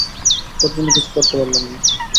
তোর জন্য কিছু করতে পারলাম না।